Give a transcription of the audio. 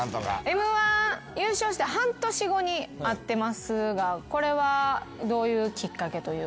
Ｍ−１優勝して半年後に会ってますがこれはどういうきっかけというか。